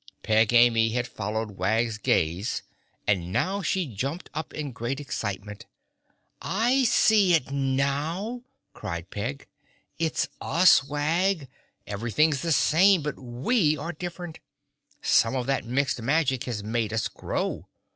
Peg Amy had followed Wag's gaze and now she jumped up in great excitement. "I see it now!" cried Peg. "It's us, Wag. Everything's the same but we are different. Some of that Mixed Magic has made us grow.